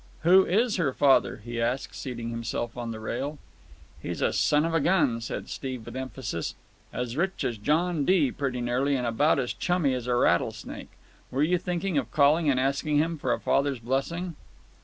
"Who is her father?" he asked, seating himself on the rail. "He's a son of a gun," said Steve with emphasis. "As rich as John D. pretty nearly and about as chummy as a rattlesnake. Were you thinking of calling and asking him for a father's blessing?"